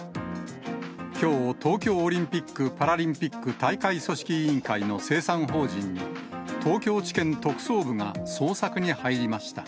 きょう、東京オリンピック・パラリンピック大会組織委員会の清算法人に、東京地検特捜部が捜索に入りました。